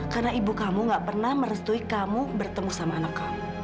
karena ibu kamu nggak pernah merestui kamu bertemu sama anak kamu